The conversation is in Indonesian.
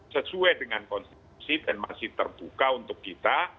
sesuai dengan konstitusi dan masih terbuka untuk kita